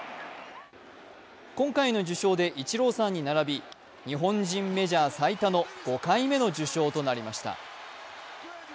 今回の受賞でイチローさんに並び日本人メジャー最多の５回目の受賞となりました。